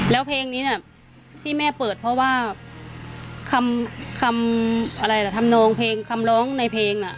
แล้วเพลงนี้ที่แม่เปิดเพราะว่าคำร้องในเพลง